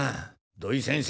土井先生！